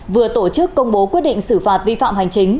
vừa tổ chức công bố quyết định xử phạt vi phạm hành chính